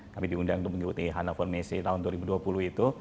kami diundang untuk mengikuti hannover messe tahun dua ribu dua puluh itu